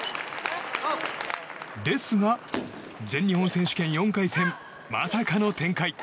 ですが、全日本選手権４回戦まさかの展開。